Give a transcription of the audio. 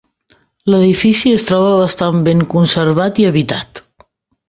L'edifici es troba bastant ben conservat i habitat.